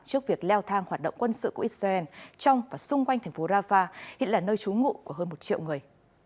trước việc leo thang hoạt động quân sự của israel trong và xung quanh thành phố rafah hiện là nơi trú ngụ của hơn một triệu người